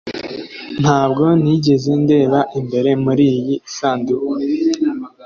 Ntabwo nigeze ndeba imbere muriyi sanduku